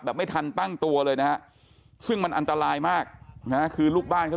ไม่ทันตั้งตัวเลยนะฮะซึ่งมันอันตรายมากนะฮะคือลูกบ้านเขา